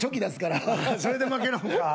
それで負けなのか。